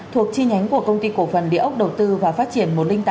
thuộc chi nhánh của công ty cổ phần địa ốc đầu tư và phát triển một trăm linh tám